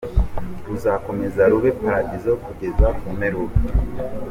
Ruzakomeza rube Paradizo kugeza ku mperuka.